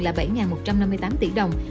là bảy một trăm năm mươi tám tỷ đồng